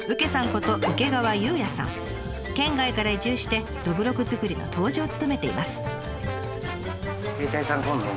県外から移住してどぶろく造りの杜氏を務めています。